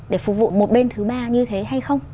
để phục vụ một bên thứ ba như thế hay không